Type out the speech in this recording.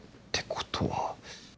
ってことは。